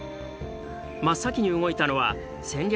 真っ先に動いたのは戦略